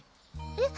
えっ？